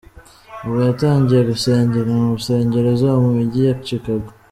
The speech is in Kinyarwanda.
Ubu yatangiye gusengera mu nsengero zo mu mijyi ya Chicago.